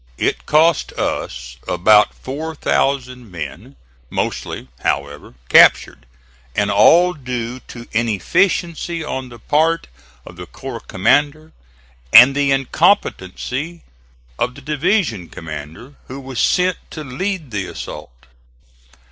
It cost us about four thousand men, mostly, however, captured; and all due to inefficiency on the part of the corps commander and the incompetency of the division commander who was sent to lead the assault.